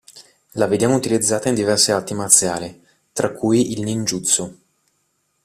La vediamo utilizzata in diverse arti marziali, tra cui il ninjutsu.